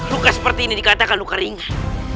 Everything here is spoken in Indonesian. luka seperti ini dikatakan luka ringan